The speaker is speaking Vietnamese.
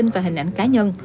và hình ảnh cá nhân